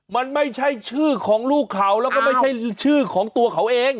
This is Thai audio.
มันไม่ใช่ชื่อของลูกเขาแล้วก็ไม่ใช่ชื่อของตัวเขาเอง